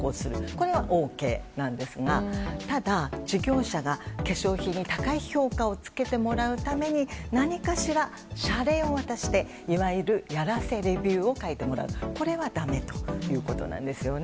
これはＯＫですがただ、事業者が化粧品に高い評価をつけてもらうために何かしら謝礼を渡していわゆる、やらせレビューを書いてもらうこれはだめということです。